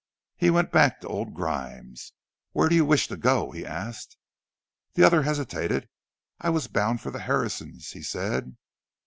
He went back to old Grimes. "Where do you wish to go?" he asked. The other hesitated. "I was bound for the Harrisons'—" he said.